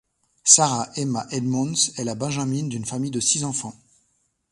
Sarah Emma Edmonds est la benjamine d'une famille de six enfants.